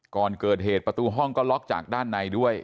ก่อนเกิดเหตุประตูห้องก็ล็อกจากด้านในด้วย